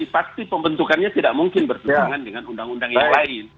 pasti pembentukannya tidak mungkin bertentangan dengan undang undang yang lain